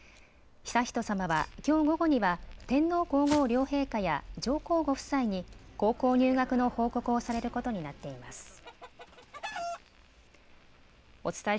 悠仁さまはきょう午後には天皇皇后両陛下や上皇ご夫妻に高校入学の報告をされることになっています。